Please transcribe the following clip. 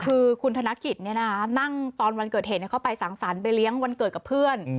คือคุณธนกิจนั่งตอนวันเกิดเหตุเข้าไปสังสรรค์ไปเลี้ยงวันเกิดกับเพื่อน